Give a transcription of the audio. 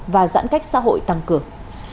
và giãn cách xã hội tăng cường